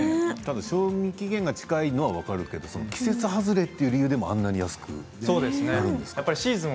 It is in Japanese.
賞味期限が近いのは分かるけれど季節外れという理由でも安くなるんですね。